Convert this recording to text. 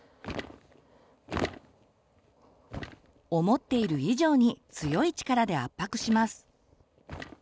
思っている以上に強い力で圧迫します。